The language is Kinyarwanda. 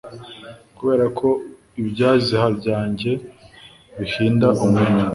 kubera ko ibyaziha byanjye bihinda umuriro